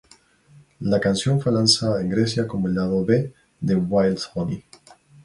La canción fue lanzada en Grecia como el lado B de "Wild Honey".